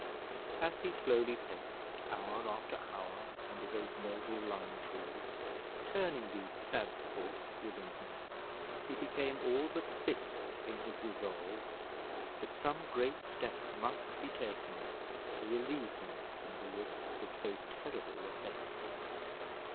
As he slowly paced, hour after hour, under those noble lime trees, turning these sad thoughts within him, he became all but fixed in his resolve that some great step must be taken to relieve him from the risk of so terrible a fate.